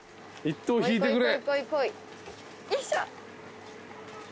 １等引いてくれ。